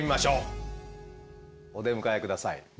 お出迎え下さい。